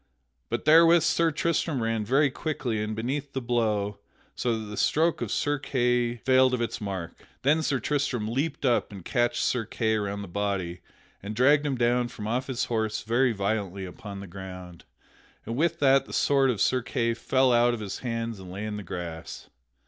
But therewith Sir Tristram ran very quickly in beneath the blow, so that the stroke of Sir Kay failed of its mark. Then Sir Tristram leaped up and catched Sir Kay around the body and dragged him down from off his horse very violently upon the ground, and with that the sword of Sir Kay fell down out of his hands and lay in the grass.